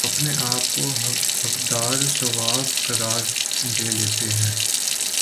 اپنے آپ کو حقدار ثواب قرار دے لیتےہیں